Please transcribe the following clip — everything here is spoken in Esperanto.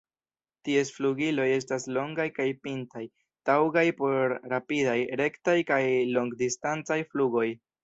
Ties flugiloj estas longaj kaj pintaj, taŭgaj por rapidaj, rektaj kaj longdistancaj flugoj.